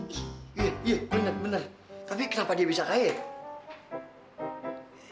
iya bener bener tapi kenapa dia bisa kaya